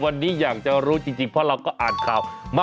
สวัสดีครับคุณชนะสวัสดีค่ะสวัสดีคุณชิสานะฮะ